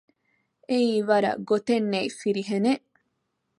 އެއީ ވަރަށް ގޮތެއްނެތް ފިރިހެނެއް